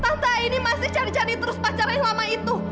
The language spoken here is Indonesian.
tante aini masih cari cari terus pacaran yang lama itu